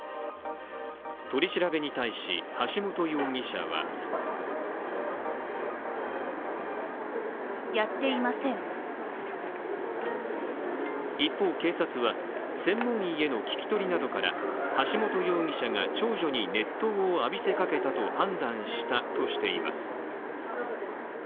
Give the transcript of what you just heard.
取り調べに対し、橋本容疑者は一方、警察は専門医への聞き取りなどから橋本容疑者が長女に熱湯を浴びせかけたと判断したとしています。